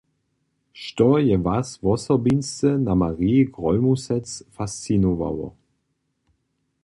Što je Was wosobinsce na Mari Grólmusec fascinowało?